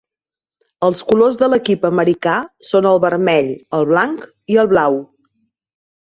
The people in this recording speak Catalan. Els colors de l'equip americà són el vermell, el blanc i el blau.